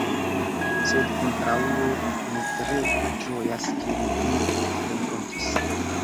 Sed, kontraŭe, mi tre ĝojas ke mi vin renkontis.